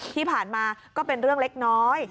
ที่ผ่านมาก็เป็นเรื่องเล็กน้อย